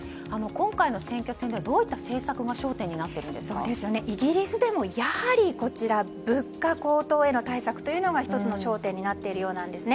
今回の選挙戦ではどういった政策がイギリスでもやはり物価高騰への対策が１つの焦点になっているようです。